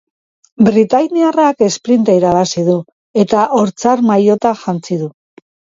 Britainiarrak esprinta irabazi du eta ortzar maillota jantzi du.